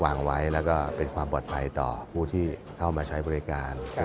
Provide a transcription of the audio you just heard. วางไว้แล้วก็เป็นความปลอดภัยต่อผู้ที่เข้ามาใช้บริการ